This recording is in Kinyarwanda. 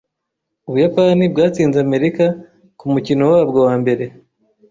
Ubuyapani bwatsinze Amerika ku mukino wabwo wa mbere.